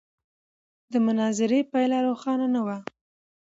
د مناظرې پایله روښانه نه وه.